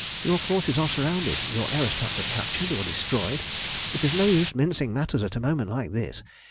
Your forces are surrounded, your aerostats are captured or destroyed. It is no use mincing matters at a moment like this.